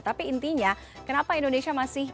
tapi intinya kenapa indonesia masih